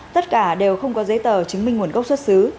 tất cả đều không có giấy tờ chứng minh nguồn gốc xuất xứ